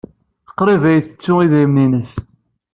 Qrib ay tettu idrimen-nnes.